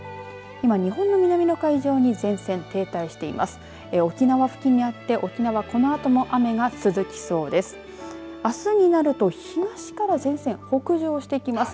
今日本の南の海上に前線、停滞しています。